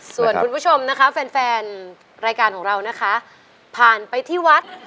ส่วนคุณผู้ชมนะคะแฟนแฟนรายการของเรานะคะผ่านไปที่วัด